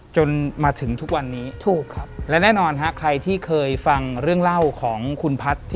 จนมาถึงทุกวันนี้ถูกครับและแน่นอนฮะใครที่เคยฟังเรื่องเล่าของคุณพัฒน์